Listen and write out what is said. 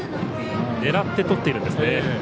狙ってとっているんですね。